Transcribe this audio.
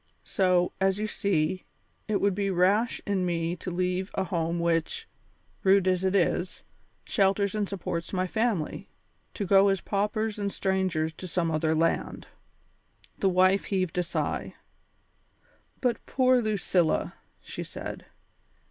So, as you see, it would be rash in me to leave a home which, rude as it is, shelters and supports my family, to go as paupers and strangers to some other land." The wife heaved a sigh. "But poor Lucilla!" she said.